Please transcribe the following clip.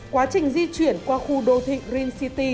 quá trình di chuyển qua khu đô thị green city